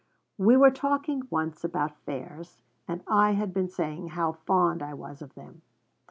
We were talking once about fairs, and I had been saying how fond I was of them.